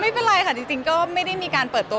ไม่เป็นไรค่ะจริงก็ไม่ได้มีการเปิดตัว